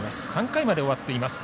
３回まで終わっています。